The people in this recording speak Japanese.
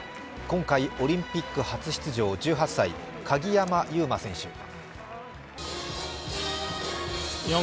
今回オリンピック初出場、１８歳、鍵山優真選手。